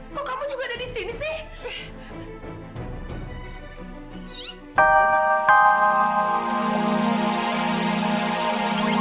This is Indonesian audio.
kok kamu juga ada di sini sih